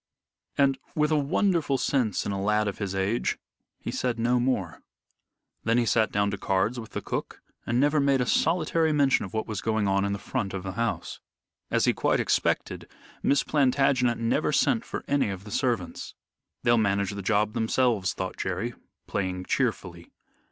And, with a wonderful sense in a lad of his age, he said no more. Then he sat down to cards with the cook, and never made a solitary mention of what was going on in the front of the house. As he quite expected, Miss Plantagenet never sent for any of the servants. "They'll manage the job themselves," thought Jerry, playing cheerfully.